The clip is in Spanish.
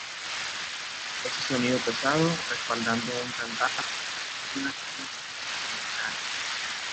Ese sonido pesado, respaldando a un cantante, es una institución británica.